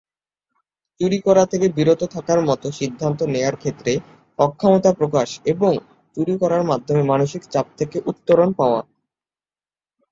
চুরি করা থেকে বিরত থাকার মতো সিদ্ধান্ত নেয়ার ক্ষেত্রে অক্ষমতা প্রকাশ এবং চুরি করার মাধ্যমে মানসিক চাপ থেকে উত্তরণ পাওয়া।